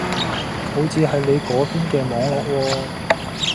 好似係你嗰邊嘅網絡喎